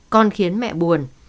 con khiến mẹ buồn